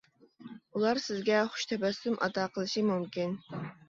ئۇلار سىزگە خۇش تەبەسسۇم ئاتا قىلىشى مۇمكىن.